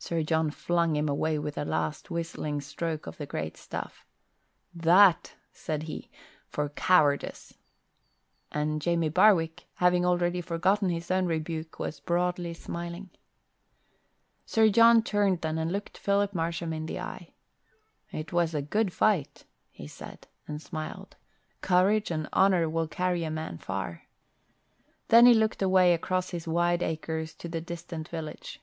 Sir John flung him away with a last whistling stroke of the great staff. "That," said he, "for cowardice." And Jamie Barwick, having already forgotten his own rebuke, was broadly smiling. Sir John turned then and looked Philip Marsham in the eye. "It was a good fight," he said, and smiled. "Courage and honour will carry a man far." He then looked away across his wide acres to the distant village.